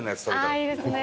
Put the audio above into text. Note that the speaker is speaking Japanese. いいですね。